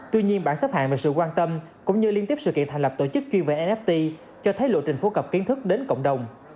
tuy nhiên bản xếp hạng về sự quan tâm cũng như liên tiếp sự kiện thành lập tổ chức chuyên về nft cho thấy lộ trình phổ cập kiến thức đến cộng đồng